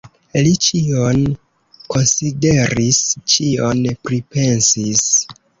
Li ĉion konsideris, ĉion pripensis.